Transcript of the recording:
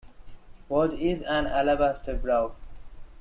What is an alabaster brow?